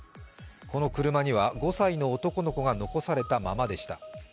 この車には５歳の男の子が残されたままでした。